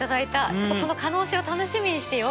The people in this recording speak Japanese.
ちょっとこの可能性を楽しみにしてよ！